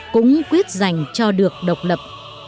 cũng quyết giành cho được độc lập